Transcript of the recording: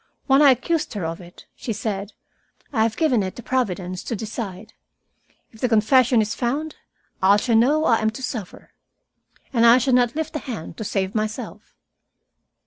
When I accused her of it, she said: 'I have given it to Providence to decide. If the confession is found, I shall know I am to suffer. And I shall not lift a hand to save myself.'"